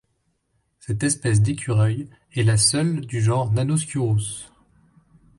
Cette espèce d'écureuils est la seule du genre Nannosciurus.